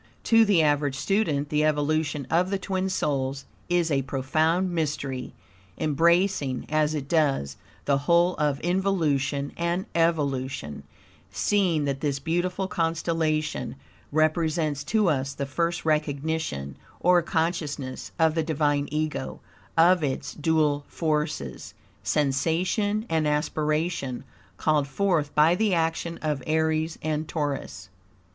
To the average student the evolution of the Twin Souls is a profound mystery, embracing, as it does, the whole of involution and evolution, seeing that this beautiful constellation represents to us the first recognition, or consciousness, of the Divine Ego of its dual forces, sensation and aspiration, called forth by the action of Aries and Taurus.